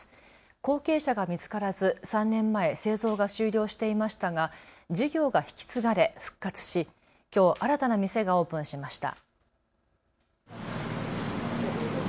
後継者が見つからず３年前、製造が終了していましたが事業が引き継がれ復活し、きょう新たな店がオープンしました。